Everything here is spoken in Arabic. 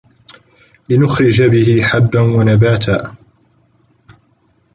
لِنُخرِجَ بِهِ حَبًّا وَنَباتًا